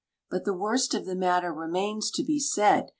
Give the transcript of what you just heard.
But the worst of the matter remains to be said.